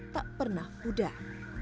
tak pernah pudar